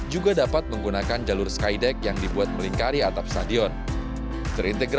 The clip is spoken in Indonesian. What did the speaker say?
juga dapat menggunakan jalur skydeck yang dibuat melingkari atap stadion